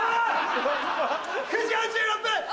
９時４６分！